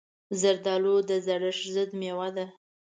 زردالو د زړښت ضد مېوه ده.